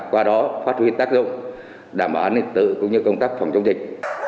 qua đó phát huy tác dụng đảm bảo an ninh tự cũng như công tác phòng chống dịch